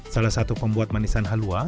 salah satu pembuat manisan halua